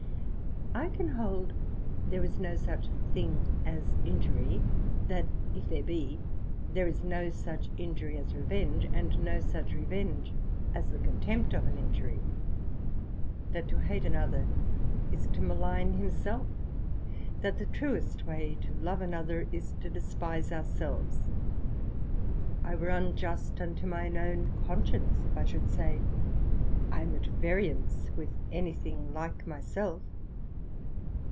I can hold there is no such thing as injury; that if there be, there is no such injury as revenge, and no such revenge as the contempt of an injury: that to hate another, is to malign himself; that the truest way to love another, is to despise our selves. I were unjust unto mine own Conscience, if I should say I am at variance with any thing like my self.